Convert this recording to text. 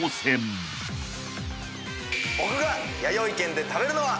僕がやよい軒で食べるのは。